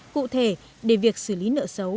cụ thể để việc xử lý nợ xấu